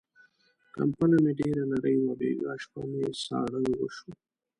کمپله مې ډېره نری وه، بيګاه شپه مې ساړه وشو.